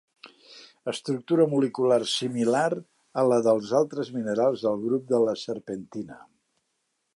Estructura molecular similar a la dels altres minerals del grup de la serpentina.